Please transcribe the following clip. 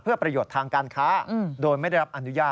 เพื่อประโยชน์ทางการค้าโดยไม่ได้รับอนุญาต